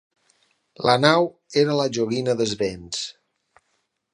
La nau era la joguina dels vents.